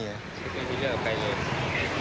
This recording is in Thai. มีเรื่องกับใครเลย